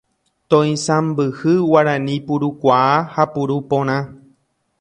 Toisãmbyhy Guarani purukuaa ha puru porã.